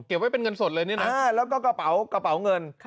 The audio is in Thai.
ไว้เป็นเงินสดเลยนี่นะแล้วก็กระเป๋ากระเป๋าเงิน